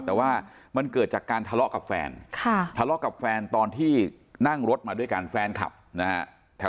แต่ว่ามันเกิดจากการทะเลาะกับแฟนทะเลาะกับแฟนตอนที่นั่งรถมาด้วยกันแฟนคลับนะฮะ